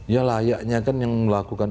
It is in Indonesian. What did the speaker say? ya layaknya kan yang melakukan